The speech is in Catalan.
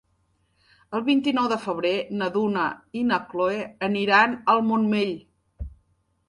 El vint-i-nou de febrer na Dúnia i na Cloè aniran al Montmell.